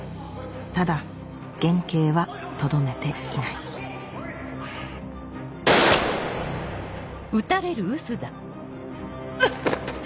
ただ原形はとどめていないうっ！